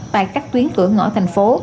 tại các tuyến cửa ngõ thành phố